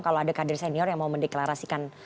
kalau ada kader senior yang mau mendeklarasikan